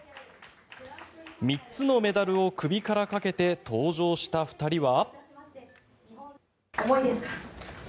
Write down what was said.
３つのメダルを首からかけて登場した２人は。